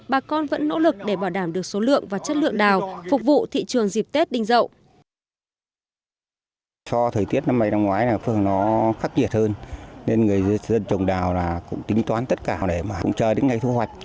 bà con vẫn nỗ lực để bảo đảm được số lượng và chất lượng đào phục vụ thị trường dịp tết đinh rậu